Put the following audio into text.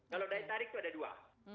kalau daya tarik itu ada dua